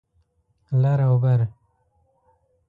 لر او بر